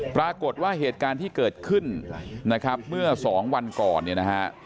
ปรากฏว่าเหตุการณ์ที่เกิดขึ้นเมื่อ๒วันก่อน